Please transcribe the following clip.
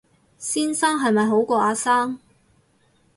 先生係咪好過阿生